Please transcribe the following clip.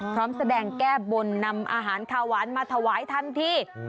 พร้อมแสดงแก้บนนำอาหารขาวหวานมาถวายทันที